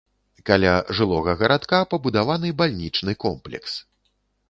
Каля жылога гарадка пабудаваны бальнічны комплекс.